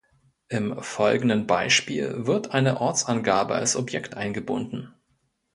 Im folgenden Beispiel wird eine Ortsangabe als Objekt eingebunden.